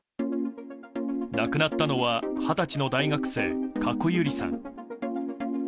亡くなったのは二十歳の大学生加古結莉さん。